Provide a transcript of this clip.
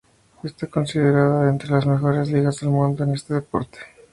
Esta considerada entre las mejores ligas del mundo en este deporte.